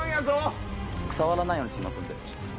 僕触らないようにしますんで。